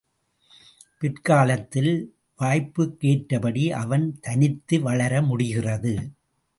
பிற்காலத்தில் வாய்ப்புக்கேற்றபடி அவன் தனித்து வளர முடிகிறது.